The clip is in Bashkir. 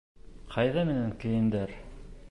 Ҡайҙа минең кейемдәр?